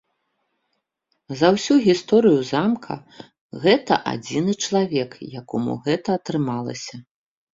За ўсю гісторыю замка гэта адзіны чалавек, якому гэта атрымалася.